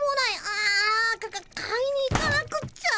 あかっ買いに行かなくっちゃ。